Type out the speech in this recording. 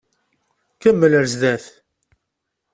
Kemmel ɣer zdat.